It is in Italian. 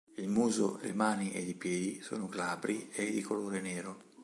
Il muso, le mani ed i piedi sono glabri e di colore nero.